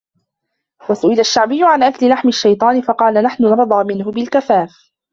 وَسُئِلَ الشَّعْبِيُّ عَنْ أَكْلِ لَحْمِ الشَّيْطَانِ فَقَالَ نَحْنُ نَرْضَى مِنْهُ بِالْكَفَافِ